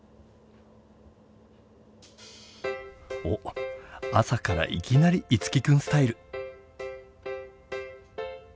おっ朝からいきなり樹君スタイル！